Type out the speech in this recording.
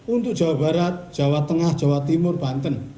untuk jawa barat jawa tengah jawa timur banten